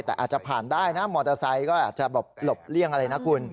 แต่อาจจะผ่านได้นะมอเตอร์ไซค์ก็อาจจะแบบหลบเลี่ยงอะไรนะคุณ